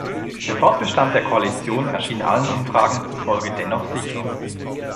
Der Fortbestand der Koalition erschien allen Umfragen zufolge dennoch sicher.